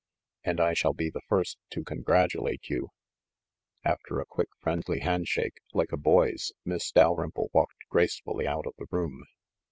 And I shall be the first to congratulate you !" After a quick friendly hand shake, like a boy's, Miss Dalrymple walked gracefully out of the room.